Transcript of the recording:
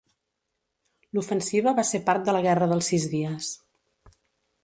L'ofensiva va ser part de la Guerra dels Sis Dies.